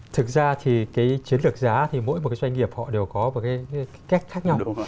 thực ra thì cái chiến lược giá thì mỗi một cái doanh nghiệp họ đều có một cái cách khác nhau